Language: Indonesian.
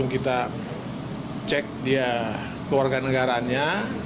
kita cek dia keluarga negaranya